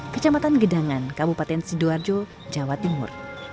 kecamatan gedangan kabupaten sidoarjo jawa timur